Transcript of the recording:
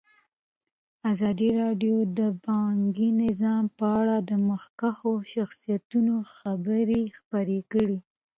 ازادي راډیو د بانکي نظام په اړه د مخکښو شخصیتونو خبرې خپرې کړي.